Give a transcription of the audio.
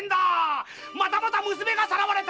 またまた娘がさらわれた！